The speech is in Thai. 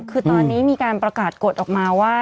คือตอนนี้มีการประกาศกฎออกมาว่า